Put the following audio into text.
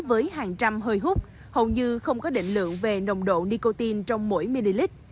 với hàng trăm hơi hút hầu như không có định lượng về nồng độ nicotine trong mỗi ml